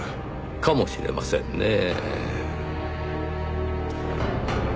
かもしれませんねぇ。